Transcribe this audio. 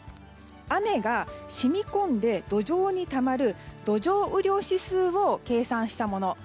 雨が染み込んで、土壌にたまる土壌雨量指数を計算したもの。